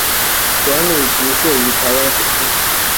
管理局设于台南园区。